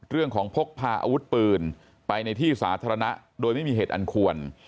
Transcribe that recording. พกพาอาวุธปืนไปในที่สาธารณะโดยไม่มีเหตุอันควร